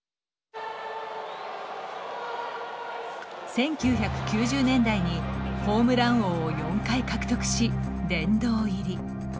１９９０年代にホームラン王を４回獲得し殿堂入り。